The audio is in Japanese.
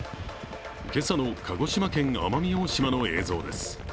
今朝の鹿児島県・奄美大島の映像です。